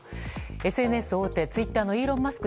ＳＮＳ大手、ツイッターのイーロン・マスク